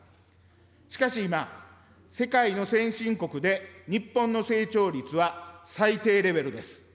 しかし今、世界の先進国で日本の成長率は最低レベルです。